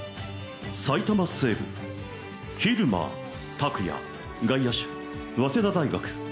埼玉西武、蛭間拓哉外野手、早稲田大学。